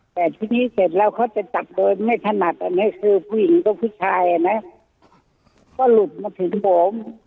แต่ทีนี้เสร็จแล้วเขาจะจับโดยไม่ถนัดอันนี้คือผู้หญิงก็ผู้ชายอ่ะนะก็หลุดมาถึงผม